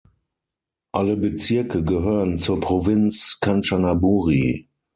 Alle Bezirke gehören zur Provinz Kanchanaburi.